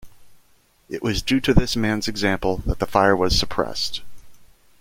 It was due to this man's example that the fire was suppressed.